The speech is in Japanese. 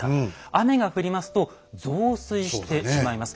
雨が降りますと増水してしまいます。